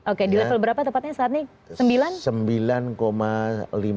oke di level berapa tepatnya saat ini